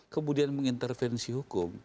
kemudian mengintervensi hukum